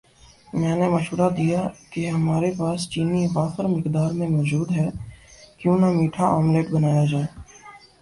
میں نے مشورہ دیا کہ ہماری پاس چینی وافر مقدار میں موجود ہے کیوں نہ میٹھا آملیٹ بنایا جائے